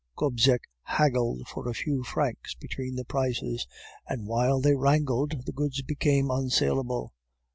Gobseck haggled for a few francs between the prices, and while they wrangled the goods became unsalable.